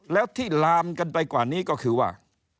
แล้วที่ลามกันไปกว่านี้ก็คือว่า